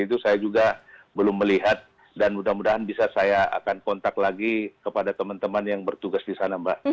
itu saya juga belum melihat dan mudah mudahan bisa saya akan kontak lagi kepada teman teman yang bertugas di sana mbak